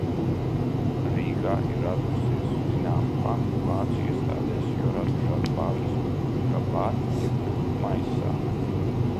"Rīgā ir radusies zināma panika vācu iestādēs, jo radušās bažas, ka var iekļūt "maisā"."